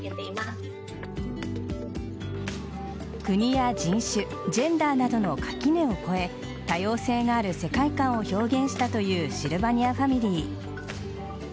国や人種ジェンダーなどの垣根を越え多様性がある世界観を表現したというシルバニアファミリー。